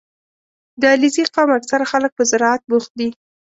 • د علیزي قوم اکثره خلک په زراعت بوخت دي.